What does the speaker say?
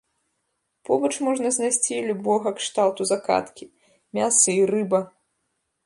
Побач можна знайсці любога кшталту закаткі, мяса і рыба.